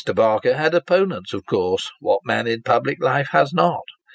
Barker had opponents of course ; what man in public life has not